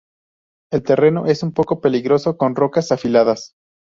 El terreno es un poco peligroso, con rocas afiladas.